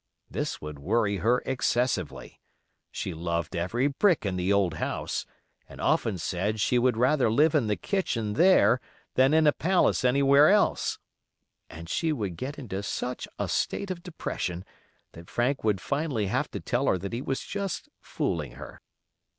This would worry her excessively (she loved every brick in the old house, and often said she would rather live in the kitchen there than in a palace anywhere else), and she would get into such a state of depression that Frank would finally have to tell her that he was just "fooling her".